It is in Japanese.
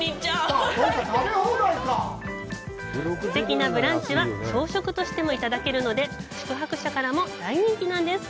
すてきなブランチは朝食としてもいただけるので宿泊者からも大人気なんです。